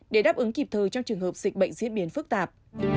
để đáp ứng kịp thời trong trường hợp dịch bệnh diễn biến phức tạp